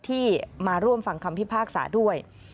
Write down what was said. ที่มาร่วมฟังคำพิพากษาด้วย